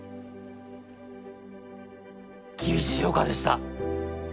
厳しい評価でした！